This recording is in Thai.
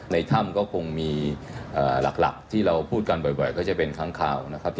ในถ้ำก็คงมีหลักที่เราพูดกันบ่อยก็จะเป็นค้างข่าวนะครับ